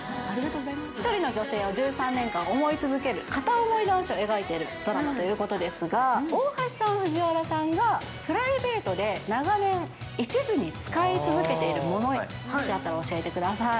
１人の女性を１３年間片思い男子を描いているドラマということですが、大橋さん、藤原さんが、プライベートで長年、一途に使い続けているものあったら、教えてください。